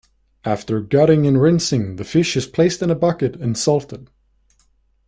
After gutting and rinsing, the fish is placed in a bucket and salted.